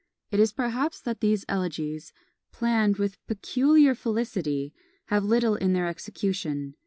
It is perhaps that these Elegies, planned with peculiar felicity, have little in their execution.